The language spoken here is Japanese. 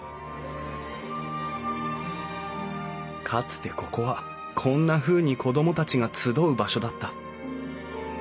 かつてここはこんなふうに子供たちが集う場所だった。